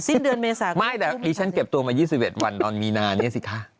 สิ้นเดือนเมษาค่ะไม่แต่ดิฉันเก็บตัวมา๒๑วันตอนมีนาเนี่ยสิคะ